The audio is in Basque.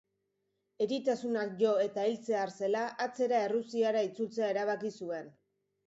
Eritasunak jo eta hiltzear zela, atzera Errusiara itzultzea erabaki zuen.